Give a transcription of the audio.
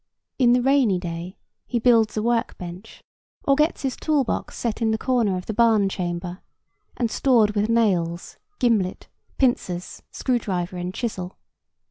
In the rainy day he builds a work bench, or gets his tool box set in the corner of the barn chamber, and stored with nails, gimlet, pincers, screwdriver and chisel.